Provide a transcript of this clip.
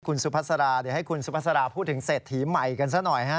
คุณสุภาษาเดี๋ยวให้คุณสุภาษาราพูดถึงเศรษฐีใหม่กันซะหน่อยฮะ